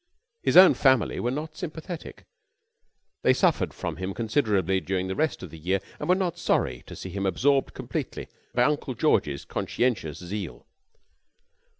His own family were not sympathetic. They suffered from him considerably during the rest of the year and were not sorry to see him absorbed completely by Uncle George's conscientious zeal.